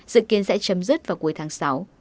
dự kiến sẽ chấm dứt vào cuối tháng sáu